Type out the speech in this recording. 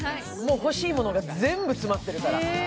欲しいものが全部詰まってるから。